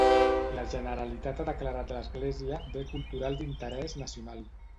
La Generalitat ha declarat l'església Bé Cultural d'Interès Nacional.